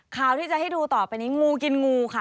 ข่าวที่จะให้ดูต่อไปนี้งูกินงูค่ะ